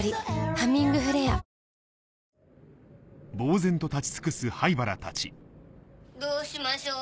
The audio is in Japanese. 「ハミングフレア」どうしましょう。